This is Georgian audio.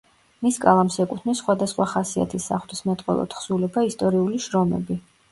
მის კალამს ეკუთვნის სხვადასხვა ხასიათის საღვთისმეტყველო თხზულება, ისტორიული შრომები.